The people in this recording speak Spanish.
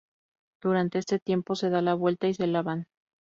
Durante este tiempo se da la vuelta y se lavan.